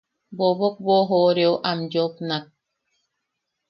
Bobok boʼojooreo am yopnak: